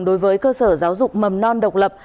đối với cơ sở giáo dục mầm non độc lập